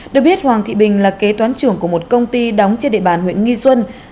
được biết hoàng thị bình là kế toán trưởng của một công ty đóng trên địa bàn huyện nghi xuân